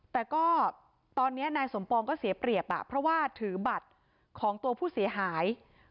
แต่ก็ตอนนี้นายสมปองก็เสียเปรียบเพราะว่าถือบัตรของตัวผู้เสียหาย